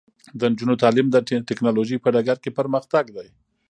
د نجونو تعلیم د ټیکنالوژۍ په ډګر کې پرمختګ دی.